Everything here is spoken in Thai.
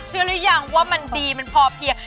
เชื่อรึยังว่ามันดีมันพอเที่ยว